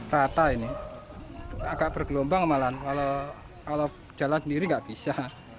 rata ini agak bergelombang malahan kalau jalan sendiri nggak bisa